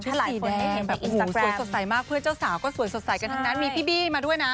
ลายแดงแบบอินสันสวยสดใสมากเพื่อนเจ้าสาวก็สวยสดใสกันทั้งนั้นมีพี่บี้มาด้วยนะ